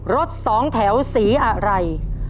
รถสองแถวสีอะไร